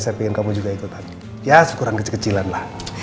saya pikir kamu juga ikutan ya syukuran kecil kecilan lah